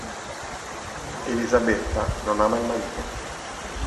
Elisabetta non ama il marito.